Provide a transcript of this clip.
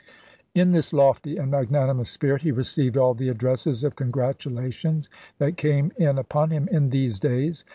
In this lofty and magnanimous spirit he received all the addresses of congratulation that came in upon him in these days.